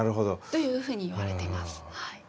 というふうにいわれています。